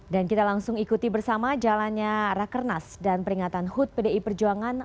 dan kita langsung ikuti bersama jalannya rakernas dan peringatan hud pdi perjuangan